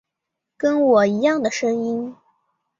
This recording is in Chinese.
跟我一样的声音